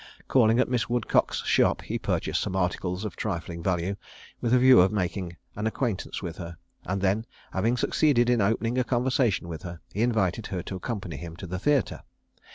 Calling at Miss Woodcock's shop, he purchased some articles of trifling value, with a view of making an acquaintance with her; and then having succeeded in opening a conversation with her, he invited her to accompany him to the theatre.